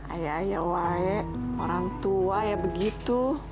ayah ya woy orang tua ya begitu